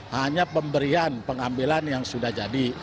hanya pemberian pengambilan yang sudah jadi